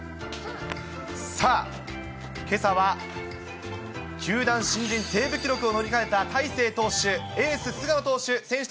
さあ、けさは球団新人セーブ記録を塗り替えた大勢投手、エース、菅野投手。